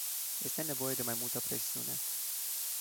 Este nevoie de mai multă presiune.